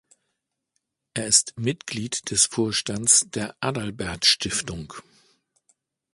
Er ist Mitglied des Vorstands der Adalbert-Stiftung.